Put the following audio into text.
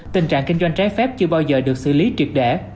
tình trạng kinh doanh trái phép chưa bao giờ được xử lý triệt đẻ